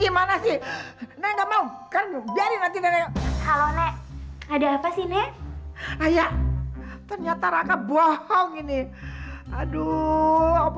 jangan coba coba mendekat